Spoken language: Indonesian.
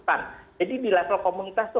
kalau seandainya ada yang terpengaruh